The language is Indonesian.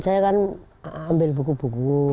saya kan ambil buku buku